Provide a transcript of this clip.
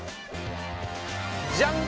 じゃん！